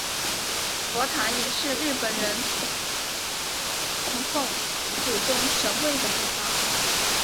佛坛也是日本人供奉祖宗神位的地方。